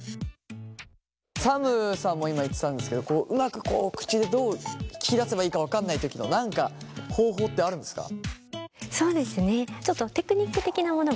サムさんも今言ってたんですけどうまくこう口でどう聞き出せばいいか分かんない時の何か方法ってあるんですか？